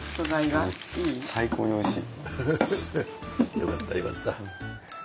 よかったよかった。